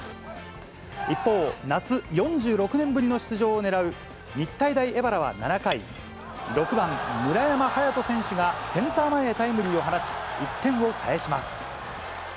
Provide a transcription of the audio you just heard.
一方、夏４６年ぶりの出場を狙う日体大荏原は７回、６番村山颯乙選手がセンター前へタイムリーを放ち、１点を返します。